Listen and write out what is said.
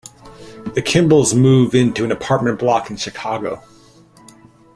The Kimbles move into an apartment block in Chicago.